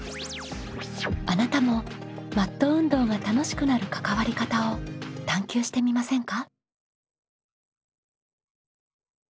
あなたもマット運動が楽しくなる関わり方を探究してみませんか？